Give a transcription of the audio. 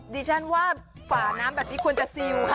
ดิฉันว่าฝาน้ำแบบนี้ควรจะซิลค่ะ